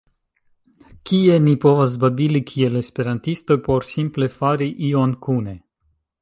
kie ni povas babili kiel esperantistoj por simple fari ion kune.